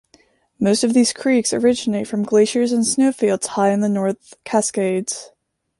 Most of these creeks originate from glaciers and snowfields high in the North Cascades.